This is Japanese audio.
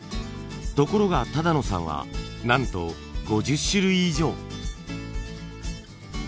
ところが但野さんはなんと５０種類以上。